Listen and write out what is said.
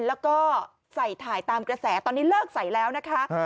แล้วก็ใส่ถ่ายตามกระแสตอนนี้เลิกใส่แล้วนะคะ